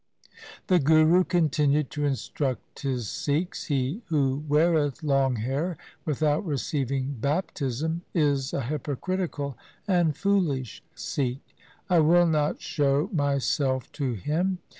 The Guru continued to instruct his Sikhs —' He who weareth long hair without receiving baptism is a hypocritical and foolish Sikh. I will not show myself to him.